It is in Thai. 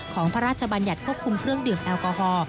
พระราชบัญญัติควบคุมเครื่องดื่มแอลกอฮอล์